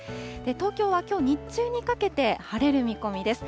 東京はきょう、日中にかけて晴れる見込みです。